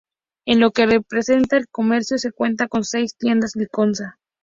En lo que respecta al comercio, se cuenta con seis tiendas Liconsa.